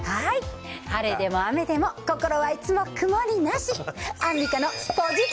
晴れでも雨でも、心はいつも曇りなし！